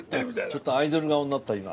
ちょっとアイドル顔になった今。